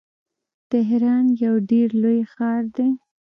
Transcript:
تهران یو ډیر لوی ښار دی.